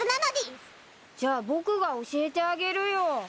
じゃあ僕が教えてあげるよ。